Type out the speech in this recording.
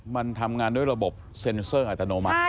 มันทำงานด้วยระบบเซ็นเซอร์อัตโนมัติ